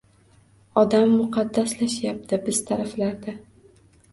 Odam muqaddaslashyapti biz taraflarda.